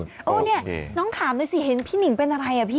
เออเนี่ยน้องถามหน่อยสิเห็นพี่หนิงเป็นอะไรอ่ะพี่